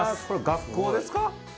学校です。